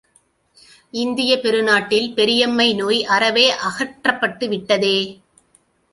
இந்தியப் பெரு நாட்டில் பெரியம்மை நோய் அறவே அகற்றப்பட்டு விட்டதே!